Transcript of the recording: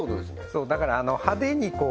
そうだから派手にこう